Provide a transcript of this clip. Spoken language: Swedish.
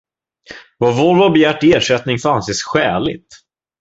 Vad Volvo har begärt i ersättning får anses skäligt.